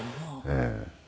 ええ。